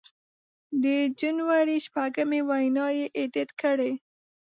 د جنوري شپږمې وینا یې اېډېټ کړې